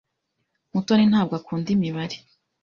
Mutoni ntabwo akunda imibare.